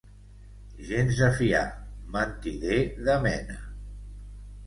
Gens de fiar, mentider de mena.